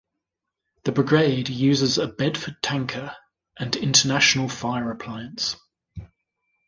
The brigade uses a Bedford tanker and International fire appliance.